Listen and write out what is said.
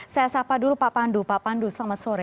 saya sapa dulu pak pandu pak pandu selamat sore